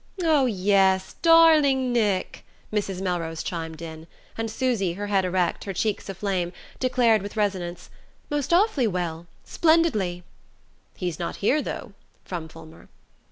"Oh, yes darling Nick?" Mrs. Melrose chimed in; and Susy, her head erect, her cheeks aflame, declared with resonance: "Most awfully well splendidly!" "He's not here, though?" from Fulmer.